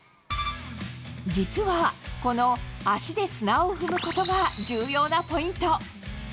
実は、この足で砂を踏むことが重要なポイント。